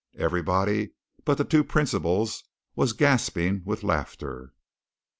Everybody but the two principals was gasping with laughter.